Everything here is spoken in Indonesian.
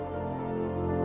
saya tidak tahu